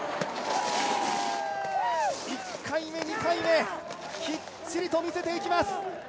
１回目、２回目きっちりと見せていきます。